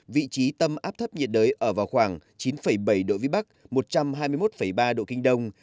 vị trí tâm áp thấp nhiệt đới ở vào khoảng chín bảy độ vĩ bắc một trăm hai mươi một ba độ kinh đông